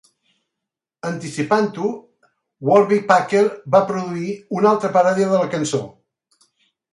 Anticipant-ho, Warby Parker va produir una altra paròdia de la cançó.